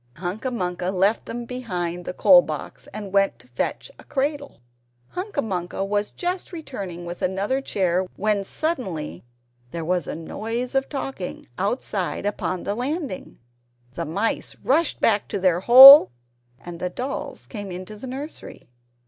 Hunca Munca left them behind the coal box, and went to fetch a cradle. Hunca Munca was just returning with another chair, when suddenly there was a noise of talking outside upon the landing. The mice rushed back to their hole, and the dolls came into the nursery.